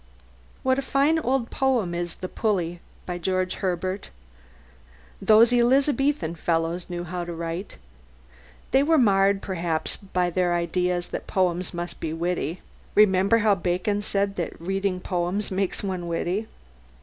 What a fine old poem is "The Pulley" by George Herbert! Those Elizabethan fellows knew how to write! They were marred perhaps by their idea that poems must be "witty." (Remember how Bacon said that reading poets makes one witty?